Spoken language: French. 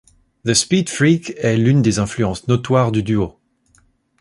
The Speed Freak est l'une des influences notoires du duo.